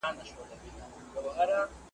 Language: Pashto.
جادوګر وي غولولي یې غازیان وي ,